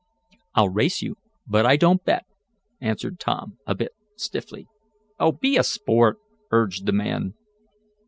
"I'll race you, but I don't bet," answered Tom, a bit stiffly. "Oh, be a sport," urged the man.